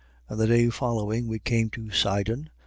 27:3. And the day following, we came to Sidon.